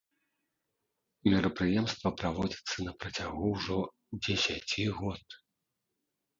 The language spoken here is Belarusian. Мерапрыемства праводзіцца на працягу ўжо дзесяці год.